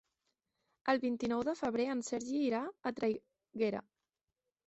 El vint-i-nou de febrer en Sergi irà a Traiguera.